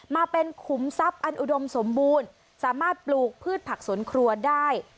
มาเป็นขุมทรัพย์อันอุดมสมบูรณ์สามารถปลูกพืชผักสวนครัวได้